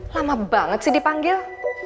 lama banget sih dipanggil